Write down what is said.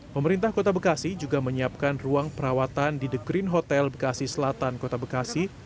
pemerintah kota bekasi juga menyiapkan ruang perawatan di the green hotel bekasi selatan kota bekasi